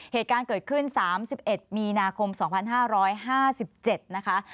เหตุการณ์เกิดขึ้น๓๑มีนาคม๒๕๕๗นะคะ